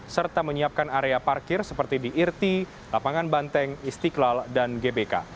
serta menyiapkan area parkir seperti di irti lapangan banteng istiqlal dan gbk